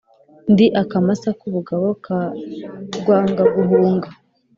Ndi akamasa k’ubugabo ka Rwangaguhunga,